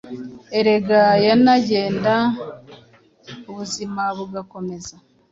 Erega yanagenda ubuzima bugakomeza